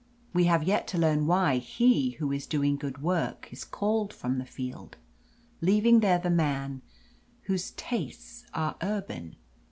We have yet to learn why he who is doing good work is called from the field, leaving there the man whose tastes are urban.